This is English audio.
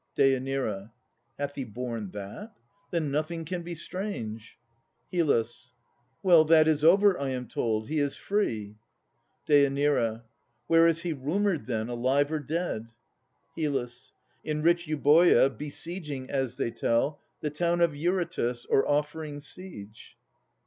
DÊ. Hath he borne that? Then nothing can be strange! HYL. Well, that is over, I am told. He is free. DÊ. Where is he rumoured, then, alive or dead? HYL. In rich Euboea, besieging, as they tell, The town of Eurytus, or offering siege.